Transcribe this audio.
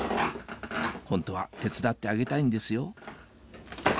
ホントは手伝ってあげたいんですよ